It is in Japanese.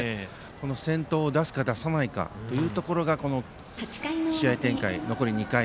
先頭を出すか出さないかというところがこの試合展開。